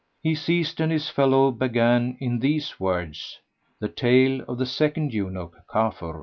He ceased and his fellow began in these words the Tale of the Second Eunuch, Kafur.